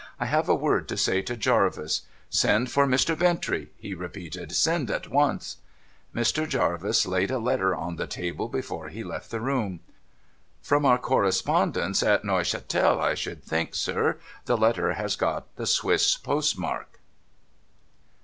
* I have a word to say to Jarvis. Send for Mr. Bintrey,' he repeated •—' send at once.' Mr. Jarvis laid a letter on the table before he left the room. ' From our correspondents at Neuchatel, I think, sir. The letter has got the Swiss postmark.'